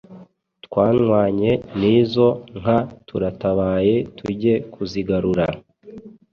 “twanywanye n’izo nka turatabaye tuge kuzigarura.